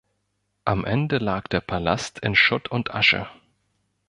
Am Ende lag der Palast in Schutt und Asche.